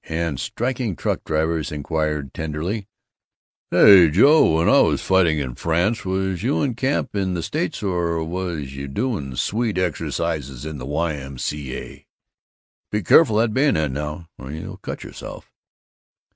and striking truck drivers inquired tenderly, "Say, Joe, when I was fighting in France, was you in camp in the States or was you doing Swede exercises in the Y. M. C. A.? Be careful of that bayonet, now, or you'll cut yourself!"